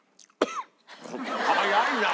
早いな。